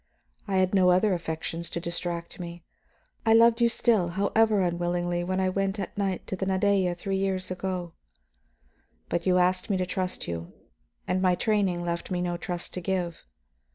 I had no other affections to distract me; I loved you still, however unwillingly, when I went at night to the Nadeja three years ago. But you asked me to trust you, and my training had left me no trust to give.